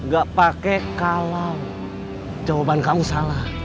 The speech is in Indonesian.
gak pakai kalau jawaban kamu salah